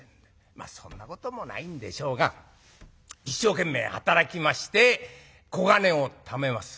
まっそんなこともないんでしょうが一生懸命働きまして小金をためます。